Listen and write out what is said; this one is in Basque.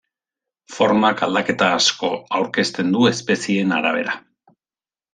Formak aldaketa asko aurkezten du espezieen arabera.